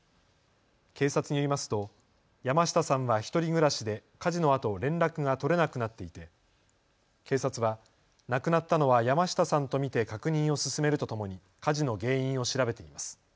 警察によりますと山下さんは１人暮らしで、火事のあと連絡が取れなくなっていて警察は亡くなったのは山下さんと見て確認を進めるとともに火事の原因を調べています。